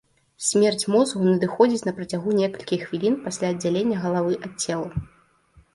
Смерць мозгу надыходзіць на працягу некалькіх хвілін пасля аддзялення галавы ад цела.